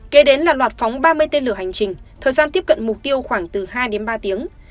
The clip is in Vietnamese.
kế đến là loạt phóng ba mươi tên lửa hành trình thời gian tiếp cận mục tiêu khoảng từ hai đến ba tiếng